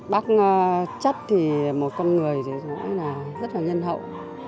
bác chắt thì một con người rất là nhân hậu